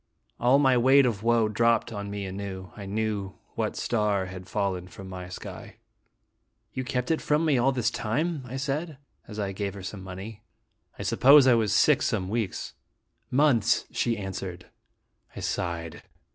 All my weight of woe dropped on me anew. I knew what star had fallen from my sky. " You kept it for me all this time?" I said, as I gave her some money. " I suppose I was sick some weeks." "Months," she answered. I sighed.